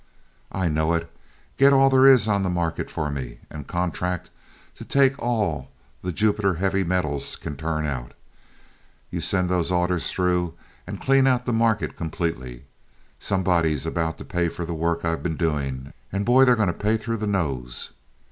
"I know it. Get all there is on the market for me, and contract to take all the 'Jupiter Heavy Metals' can turn out. You send those orders through, and clean out the market completely. Somebody's about to pay for the work I've been doing, and boy, they're going to pay through the nose.